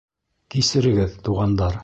Кисерегеҙ, туғандар.